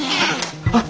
あっ。